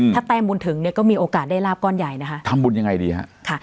ถ้าแต้มบุญถึงเนี่ยก็มีโอกาสได้ลาบก้อนใหญ่นะคะทำบุญยังไงดีฮะค่ะ